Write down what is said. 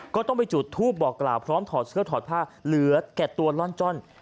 ก็ต้องไปจุดทูปบอกกล่าวพร้อมถอดเสื้อถอดผ้าเหลือแก่ตัวล่อนจ้อน